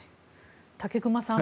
武隈さん